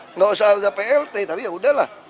enggak usah ada plt tapi ya udahlah